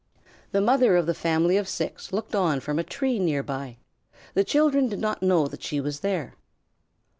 The mother of the family of six looked on from a tree near by. The children did not know that she was there.